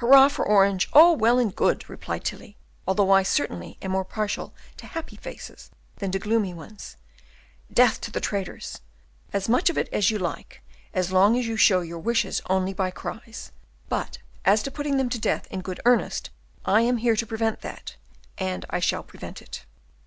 "'Hurrah for Orange!' all well and good!" replied Tilly, "although I certainly am more partial to happy faces than to gloomy ones. 'Death to the traitors!' as much of it as you like, as long as you show your wishes only by cries. But, as to putting them to death in good earnest, I am here to prevent that, and I shall prevent it."